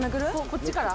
・こっちから？